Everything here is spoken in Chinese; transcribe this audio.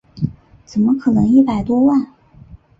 怎么可能一百多万